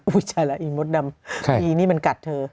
ใช่แล้วอีมดดำอีนี่มันกัดเธอ